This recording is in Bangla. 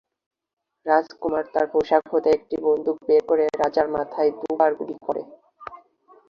রাজকুমার তার পোশাক থেকে একটি বন্দুক বের করে রাজার মাথায় দুবার গুলি করে।